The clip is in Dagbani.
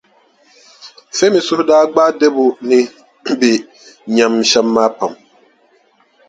Femi suhu daa gbaai Debo ni be nyam shɛm maa pam.